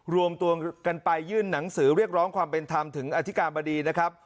รวมตัวกันไปยื่นหนังสือเรียกร้องความเป็นธรรมถึงอธิการบดีนะครับ